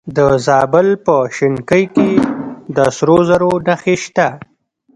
د زابل په شنکۍ کې د سرو زرو نښې شته.